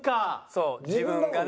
そう自分がね。